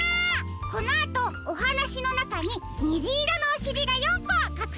このあとおはなしのなかににじいろのおしりが４こかくされているよ。